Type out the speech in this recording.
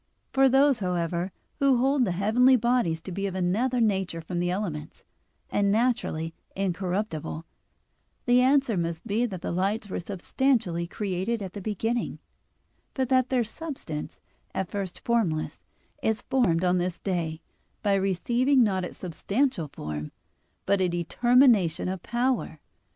For those, however, who hold the heavenly bodies to be of another nature from the elements, and naturally incorruptible, the answer must be that the lights were substantially created at the beginning, but that their substance, at first formless, is formed on this day, by receiving not its substantial form, but a determination of power.